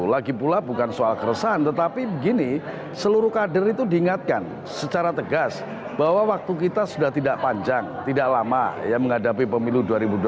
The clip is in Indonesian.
lagi pula bukan soal keresahan tetapi begini seluruh kader itu diingatkan secara tegas bahwa waktu kita sudah tidak panjang tidak lama ya menghadapi pemilu dua ribu dua puluh